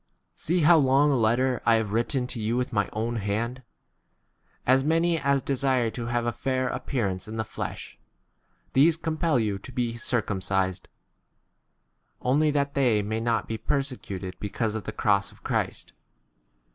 11 See how long a letter u I have written to you with my own hand. 12 As many as desire to have a fair appearance in [the] flesh, these compel you to be circumcised, only that they may not be perse cuted because T of the cross of 13 Christ.